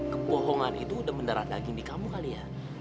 kebohongan itu udah mendarat daging di kamu kali ya